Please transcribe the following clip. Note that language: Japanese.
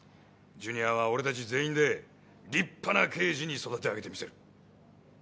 ジュニアは俺たち全員で立派な刑事に育て上げてみせる。